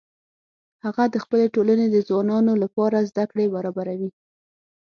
هغه د خپلې ټولنې د ځوانانو لپاره زده کړې برابروي